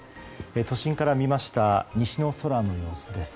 都心から見ました西の空の様子です。